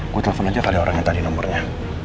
gue telepon aja kali orang yang tadi nomornya